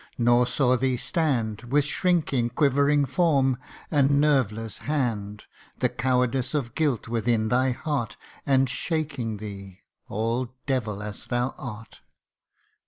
nor saw thee stand With shrinking quivering form, and nerveless hand The cowardice of guilt within thy heart, And shaking thee all devil as thou art